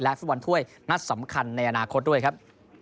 ฟุตบอลถ้วยนัดสำคัญในอนาคตด้วยครับ